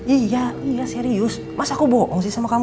iya iya serius masa aku bohong sih sama kamu